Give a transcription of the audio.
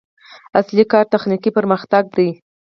اصلي کار تخنیکي پرمختګ دی.